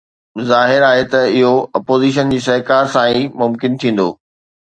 ظاهر آهي ته اهو اپوزيشن جي سهڪار سان ئي ممڪن ٿيندو.